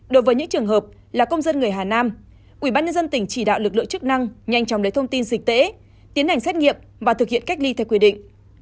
đối với những trường hợp là công dân người hà nam ubnd tỉnh chỉ đạo lực lượng chức năng nhanh chóng lấy thông tin dịch tễ tiến hành xét nghiệm và thực hiện cách ly theo quy định